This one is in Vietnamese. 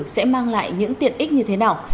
sẽ mang lại những tiện ích như thế nào